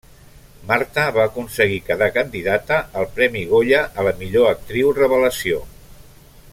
Marta va aconseguir quedar candidata al Premi Goya a la millor actriu revelació.